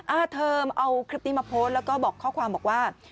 อาเทอมเอาคลิปนี้มาโพสต์แล้วก็บอกข้อความบอกว่า